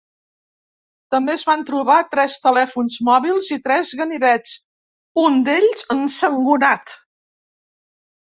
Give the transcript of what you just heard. També es van trobar tres telèfons mòbils i tres ganivets, un d’ells ensangonat.